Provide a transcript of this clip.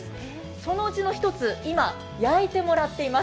そのうちの１つ、今焼いてもらっています。